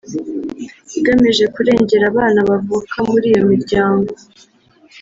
igamije kurengera abana bavuka muri iyo miryango